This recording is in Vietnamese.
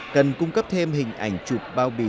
cần cung cấp thêm hình ảnh chụp bao bì